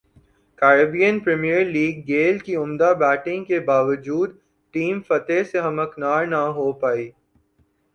Caribbean Premier League Gayle کی عمدہ batting کے باوجود ٹیم فتح سے ہمکنار نہ ہو پائی